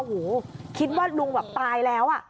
โอ้โหคิดว่าลุงแบบตายแล้ว